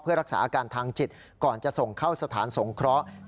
เพื่อรักษาอาการทางจิตก่อนจะส่งเข้าสถานสงเคราะห์